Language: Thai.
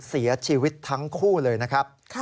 เสียชีวิตทั้งคู่เลยนะครับ